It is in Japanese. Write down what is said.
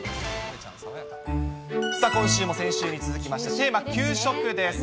さあ、今週も先週に続きまして、給食です。